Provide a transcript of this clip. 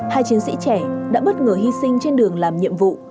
hai chiến sĩ trẻ đã bất ngờ hy sinh trên đường làm nhiệm vụ